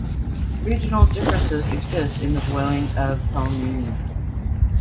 Regional differences exist in the boiling of pelmeni.